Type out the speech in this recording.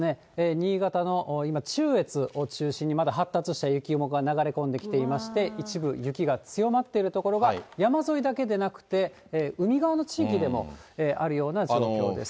新潟の今、中越を中心に、まだ発達した雪雲が流れ込んできていまして、一部、雪が強まっている所が、山沿いだけでなくて、海側の地域でもあるような状況です。